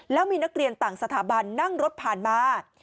แล้วมีนักเรียนต่างสถาบันนั่งรถผ่านมา